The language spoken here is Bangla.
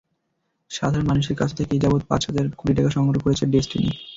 সাধারণ মানুষের কাছ থেকে এযাবৎ পাঁচ হাজার কোটি টাকা সংগ্রহ করেছে ডেসটিনি।